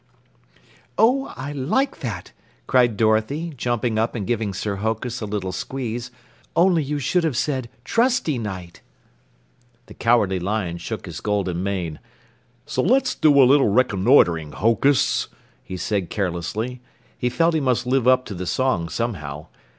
"Oh, I like that!" cried Dorothy, jumping up and giving Sir Hokus a little squeeze. "Only you should have said trusty Knight." The Cowardly Lion shook his golden mane. "Let's do a little reconnoitering, Hokus," he said carelessly. He felt he must live up to the song somehow.